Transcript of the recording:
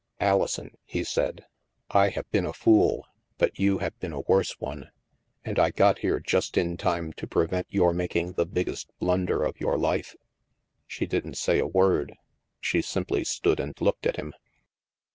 " Alison," he said, " I have been a fool, but you have been a worse one. And I got here just in time to prevent your making the biggest blunder of your life." She didn't say a word. She simply stood and looked at him.